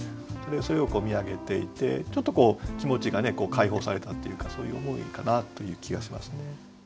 それを見上げていてちょっとこう気持ちが解放されたっていうかそういう思いかなという気がしますね。